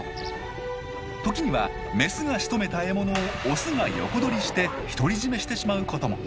時にはメスがしとめた獲物をオスが横取りして独り占めしてしまうことも。